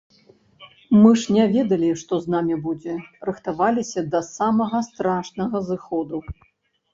Мы ж не ведалі што з намі будзе, рыхтаваліся да самага страшнага зыходу.